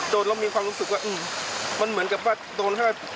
โดนแล้วมีความรู้สึกว่ามันเหมือนกับว่าโดน